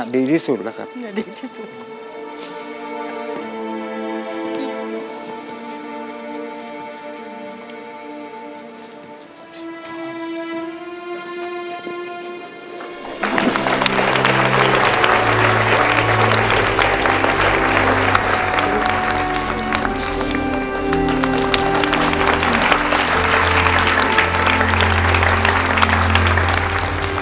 ดีที่สุดล่ะครับ